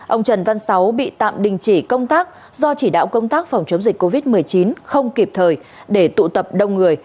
ông trần văn sáu bị tạm đình chỉ công tác do chỉ đạo công tác phòng chống dịch covid một mươi chín không kịp thời để tụ tập đông người